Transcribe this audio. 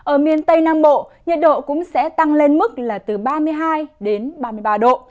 ở miền tây nam bộ nhiệt độ cũng sẽ tăng lên mức là từ ba mươi hai ba mươi ba độ